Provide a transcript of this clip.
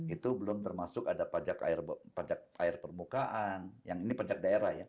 itu belum termasuk ada pajak air permukaan yang ini pajak daerah ya